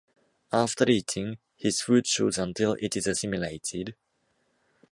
After eating, his food shows until it is assimilated.